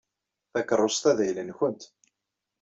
Takeṛṛust-a d ayla-nwent.